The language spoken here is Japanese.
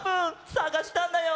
さがしたんだよ。